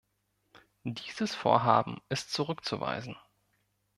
Dieses Vorhaben ist zurückzuweisen.